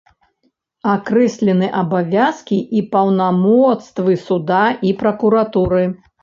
Акрэслены абавязкі і паўнамоцтвы суда і пракуратуры.